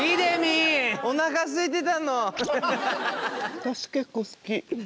私結構好き。